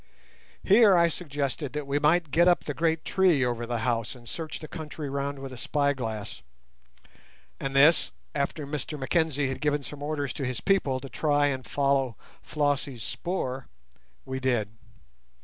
Here I suggested that we might get up the great tree over the house and search the country round with a spyglass; and this, after Mr Mackenzie had given some orders to his people to try and follow Flossie's spoor, we did.